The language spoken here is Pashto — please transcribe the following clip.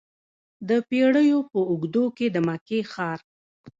د پیړیو په اوږدو کې د مکې ښار.